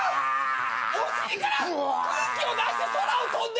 お尻から空気を出して空を飛んでいる！